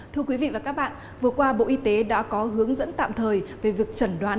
thưa quý vị và các bạn vừa qua bộ y tế đã có hướng dẫn tạm thời về việc trần đoán